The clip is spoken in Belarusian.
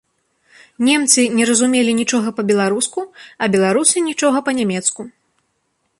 Немцы не разумелі нічога па-беларуску, а беларусы нічога па-нямецку.